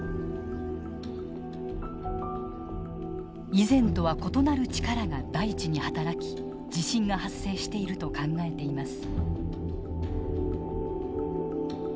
以前とは異なる力が大地に働き地震が発生していると考えています。